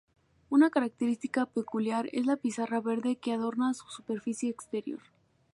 Una característica peculiar es la pizarra verde que adorna su superficie exterior.